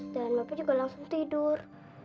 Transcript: dan bapak juga langsung tidur